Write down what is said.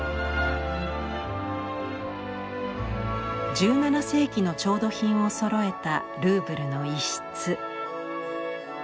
１７世紀の調度品をそろえたルーブルの一室。